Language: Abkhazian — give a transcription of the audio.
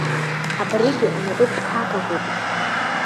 Абригьы анапы ԥшқа аҭахуп.